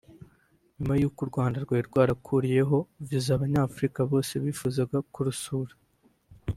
nyuma y’uko u Rwanda rwari rwakuriyeho viza Abanyafurika bose bifuza kurusura